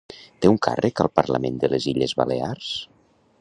Té un càrrec al Parlament de les Illes Balears?